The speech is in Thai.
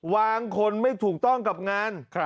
คนไม่ถูกต้องกับงาน